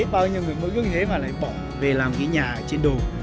bao nhiêu người mỗi lúc như thế mà lại bỏ về làm cái nhà trên đồ